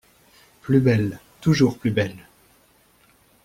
Plus belle, toujours plus belle!